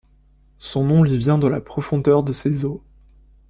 Son nom lui vient de la profondeur de ses eaux.